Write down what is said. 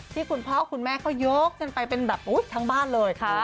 คุณพ่อคุณแม่เขายกกันไปเป็นแบบทั้งบ้านเลย